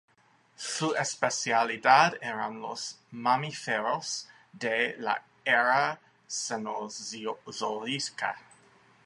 Su especialidad eran los mamíferos de la Era Cenozoica.